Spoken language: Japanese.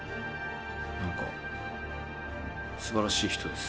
何かすばらしい人です。